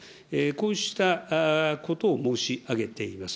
こうしたことを申し上げています。